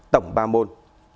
thông tin vừa rồi